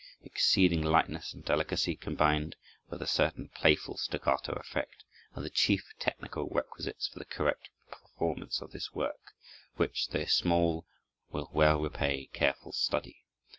Exceeding lightness and delicacy, combined with a certain playful staccato effect, are the chief technical requisites for the correct performance of this work, which, though small, will well repay careful study.